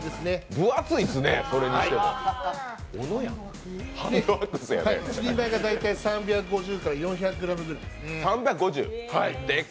分厚いですね、それにしても１人前が大体３５０４００ｇです。